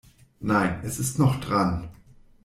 Nein, es ist noch dran.